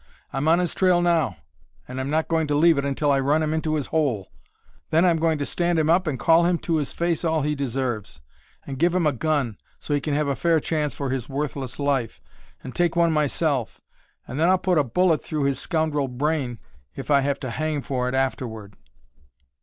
I'm on his trail now, and I'm not going to leave it until I run him into his hole. Then I'm going to stand him up and call him to his face all he deserves; and give him a gun, so he can have a fair chance for his worthless life, and take one myself; and then I'll put a bullet through his scoundrel brain if I have to hang for it afterward!"